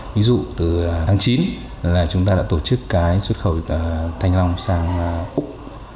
ví dụ từ tháng chín là chúng ta đã tổ chức cái xuất khẩu thanh long sang úc